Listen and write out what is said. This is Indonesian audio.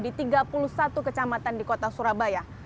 di tiga puluh satu kecamatan di kota surabaya